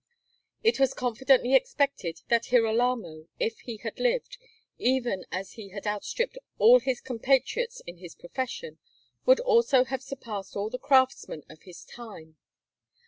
It was confidently expected that Girolamo, if he had lived, even as he had outstripped all his compatriots in his profession, would also have surpassed all the craftsmen of his time.